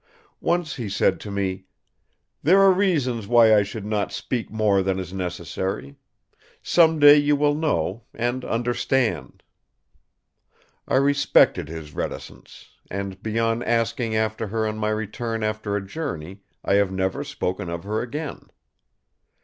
Once he said to me: 'There are reasons why I should not speak more than is necessary. Some day you will know—and understand!' I respected his reticence; and beyond asking after her on my return after a journey, I have never spoken of her again.